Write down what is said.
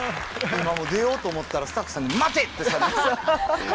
今出ようと思ったらスタッフさんに初めてそこで。